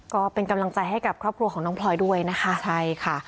ก็เป็นกำลังใจให้กับครอบครัวของน้องพลอยด้วยนะคะใช่ค่ะ